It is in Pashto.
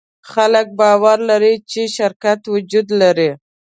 خلک باور لري، چې شرکت وجود لري.